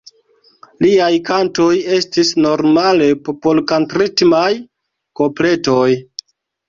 Liaj kantoj estis normale popolkantritmaj kopletoj.